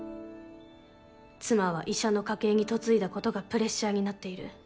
「妻は医者の家系に嫁いだことがプレッシャーになっている。